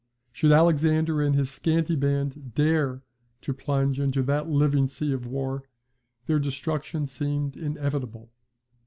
Should Alexander and his scanty band dare to plunge into that living sea of war, their destruction seemed inevitable.